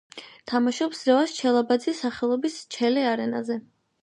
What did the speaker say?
თამაშობს რევაზ ჩელებაძის სახელობის ჩელე არენაზე.